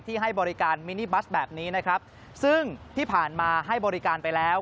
ให้บริการมินิบัสแบบนี้นะครับซึ่งที่ผ่านมาให้บริการไปแล้ว